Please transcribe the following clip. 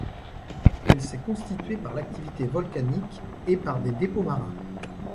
Elle s'est constituée par l'activité volcanique et par des dépôts marins.